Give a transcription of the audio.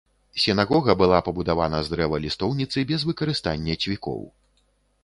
Сінагога была пабудавана з дрэва лістоўніцы без выкарыстання цвікоў.